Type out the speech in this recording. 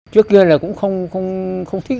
trước kia là cũng không thích nghề